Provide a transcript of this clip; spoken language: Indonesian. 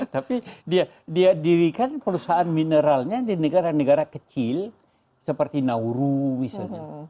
tapi dia dirikan perusahaan mineralnya di negara negara kecil seperti nauru misalnya